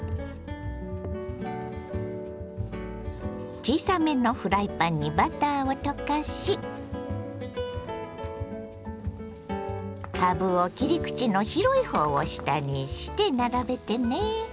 小さめのフライパンにバターを溶かしかぶを切り口の広いほうを下にして並べてね。